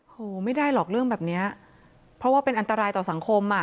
โหไม่ได้หรอกเรื่องแบบเนี้ยเพราะว่าเป็นอันตรายต่อสังคมอ่ะ